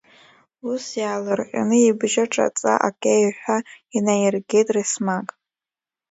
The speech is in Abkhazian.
Ус иаалырҟьаны ибжьы ҿаца акеҩҳәа инаиргеит Ресмаг.